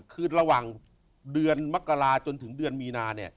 คือระหว่างเดือนมกราจนถึงเดือนมีนา